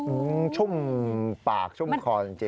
ชุ่มปากชุ่มคอจริง